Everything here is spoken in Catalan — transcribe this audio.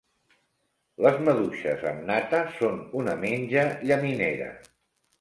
Les maduixes amb nata són una menja llaminera.